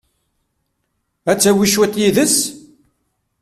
Ad tawi cwiṭ yid-s?